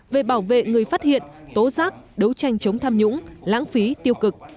về bảo vệ người phát hiện tố giác đấu tranh chống tham nhũng lãng phí tiêu cực